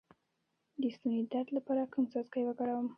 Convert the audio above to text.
د ستوني د درد لپاره کوم څاڅکي وکاروم؟